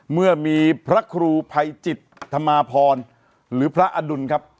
เมื่อมีพระครูภัยจิตธรรมาพรหรือพระอดุลครับ